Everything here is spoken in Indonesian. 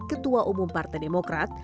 ketua umum partai demokrat